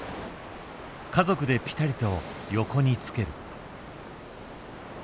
家族でぴたりと横につける。